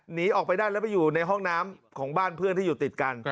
หนีออกไปได้แล้วไปอยู่ในห้องน้ำของบ้านเพื่อนที่อยู่ติดกัน